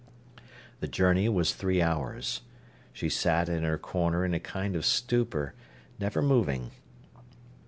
The journey was three hours. She sat in her corner in a kind of stupor, never moving.